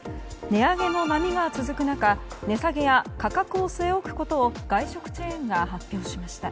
値上げの波が続く中値下げや価格を据え置くことを外食チェーンが発表しました。